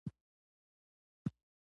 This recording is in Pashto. کلی پر شور ډک شو.